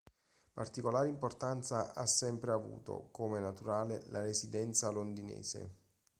Particolare importanza ha sempre avuto, come naturale, la residenza londinese.